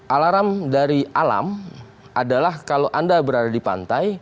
alarm dari alam adalah kalau anda berada di pantai